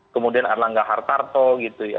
kemudian erlangga hartarto gitu ya